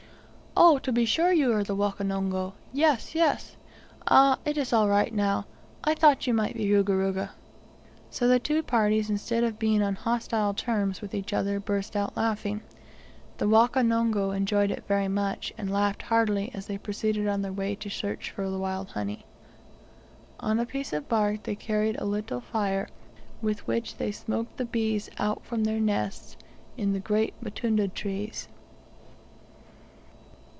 "Oh, to be sure, you are the Wakonongo. Yes Yes. Ah, it is all right now, I thought you might be Ruga Ruga." So the two parties, instead of being on hostile terms with each other, burst out laughing. The Wakonongo enjoyed it very much, and laughed heartily as they proceeded on their way to search for the wild honey. On a piece of bark they carried a little fire with which they smoked the bees out from their nest in the great mtundu trees.